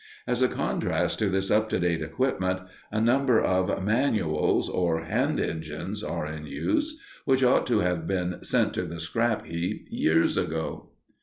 As a contrast to this up to date equipment, a number of "manuals," or hand engines, are in use, which ought to have been sent to the scrap heap years ago.